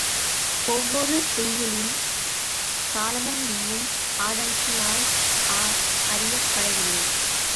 ஒவ்வொரு செய்யுளின் காலமும் இன்னும் ஆராய்ச்சியால் அறியப்படவில்லை.